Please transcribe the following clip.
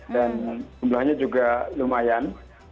dan jumlahnya juga lumayan